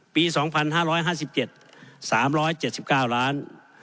ปี๒๕๕๗๓๗๙ล้าน